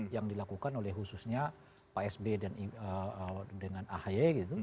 yang dilakukan oleh khususnya pak s b dengan ahaya gitu